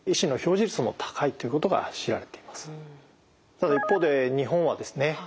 ただ一方で日本はですね